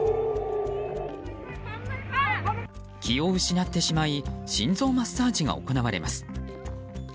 気を失ってしまい心臓マッサージが行われます。